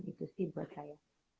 itu sih buat saya